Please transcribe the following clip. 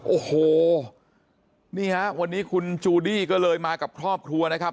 โอ้โหนี่ฮะวันนี้คุณจูดี้ก็เลยมากับครอบครัวนะครับ